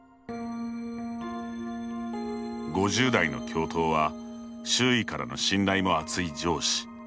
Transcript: ５０代の教頭は周囲からの信頼も厚い上司。